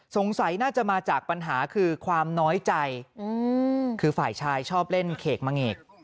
สงสัยน่าจะมาจากปัญหาคือความน้อยใจคือฝ่ายชายชอบเล่นเขกมะเงก